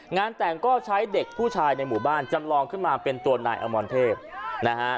งานแต่งก็ใช้เด็กผู้ชายในหมู่บ้านจำลองขึ้นมาเป็นตัวนายอมรเทพนะฮะ